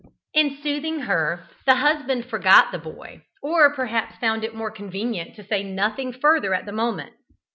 In soothing her the husband forgot the boy, or perhaps found it more convenient to say nothing further at the moment.